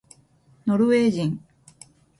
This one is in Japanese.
ノルウェー人